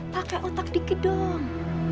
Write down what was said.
pakai otak dikit dong